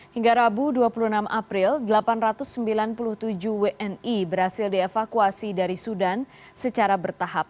hingga rabu dua puluh enam april delapan ratus sembilan puluh tujuh wni berhasil dievakuasi dari sudan secara bertahap